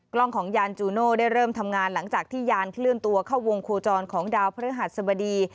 กล้องของยานจูโน่ได้เริ่มทำงานหลังจากที่ยานเคลื่อนตัวเข้าวงโคจรของดาวพฤหัสบดี